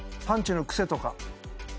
パンチの癖とか。